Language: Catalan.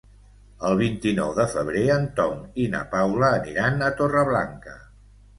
El vint-i-nou de febrer en Tom i na Paula aniran a Torreblanca.